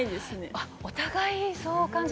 あっ、お互いそう感じ